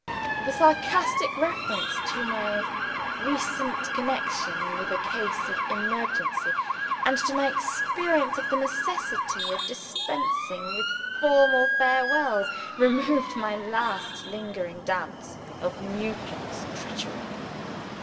The sarcastic reference to my recent connection with a case of emergency, and to my experience of the necessity of dispensing with formal farewells, removed my last lingering doubts of Nugent's treachery.